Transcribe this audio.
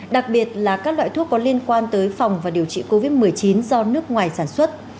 đặc biệt là các loại thuốc có liên quan tới phòng và điều trị covid một mươi chín do nước ngoài sản xuất